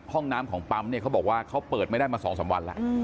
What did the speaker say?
ห้องน้ำของปั๊มเนี่ยเขาบอกว่าเขาเปิดไม่ได้มา๒๓วันแล้ว